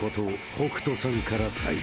北斗さんから再開］